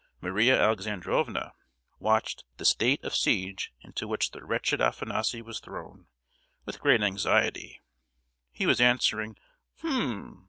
Maria Alexandrovna watched the state of siege into which the wretched Afanassy was thrown, with great anxiety; he was answering "H'm!"